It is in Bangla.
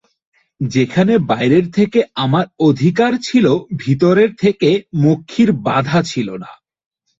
সেখানে বাইরের থেকে আমার অধিকার ছিল, ভিতরের থেকে মক্ষীর বাধা ছিল না।